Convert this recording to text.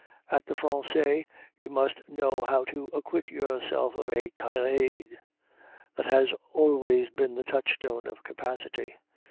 At the Français you must know how to acquit yourself of a tirade; that has always been the touchstone of capacity.